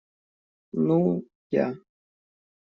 Ну, я.